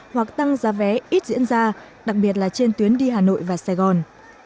hoặc tăng giá vé ít diễn ra đặc biệt là trên tuyến đi hà nội và sài gòn